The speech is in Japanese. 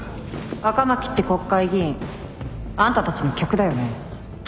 赤巻って国会議員あんたたちの客だよね？